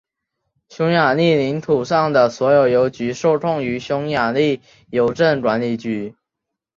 匈牙利领土上的所有邮局受控于匈牙利邮政管理局。